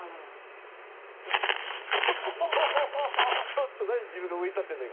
ちょっと何自分が上に立ってんの？